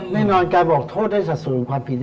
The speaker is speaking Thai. แน่นอนการบอกโทษได้สัดส่วนความผิด